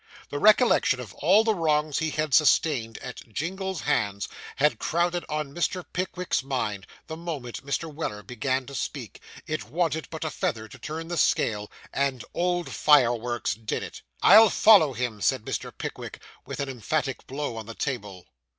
The recollection of all the wrongs he had sustained at Jingle's hands, had crowded on Mr. Pickwick's mind, the moment Mr. Weller began to speak; it wanted but a feather to turn the scale, and 'old Fireworks' did it. 'I'll follow him,' said Mr. Pickwick, with an emphatic blow on the table.